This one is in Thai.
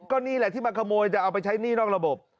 ก็นี่แหละที่มาขโมยจะเอาไปใช้หนี้นอกระบบ